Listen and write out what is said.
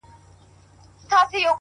ستا هره گيله مي لا په ياد کي ده _